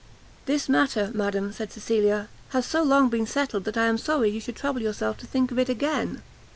"This matter, madam," said Cecilia, "has so long been settled, that I am sorry you should trouble yourself to think of it again."